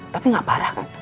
tapi nggak parah kan